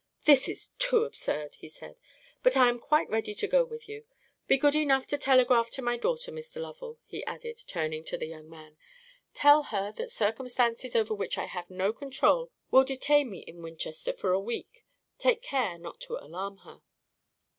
"This is too absurd," he said; "but I am quite ready to go with you. Be good enough to telegraph to my daughter, Mr. Lovell," he added, turning to the young man; "tell her that circumstances over which I have no control will detain me in Winchester for a week. Take care not to alarm her."